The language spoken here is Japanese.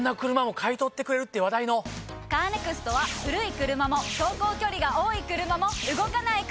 カーネクストは古い車も走行距離が多い車も動かない車でも。